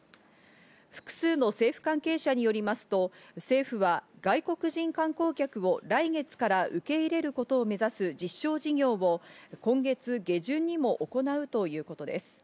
複数の政府関係者によりますと、政府は外国人観光客を来月から受け入れることを目指す実証事業を今月下旬にも行うということです。